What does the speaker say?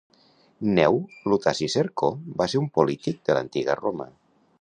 Gneu Lutaci Cercó va ser un polític de l'antiga Roma.